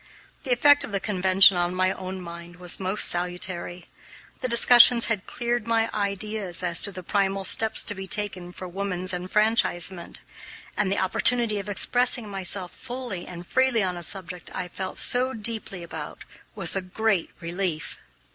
The effect of the convention on my own mind was most salutary. The discussions had cleared my ideas as to the primal steps to be taken for woman's enfranchisement, and the opportunity of expressing myself fully and freely on a subject I felt so deeply about was a great relief.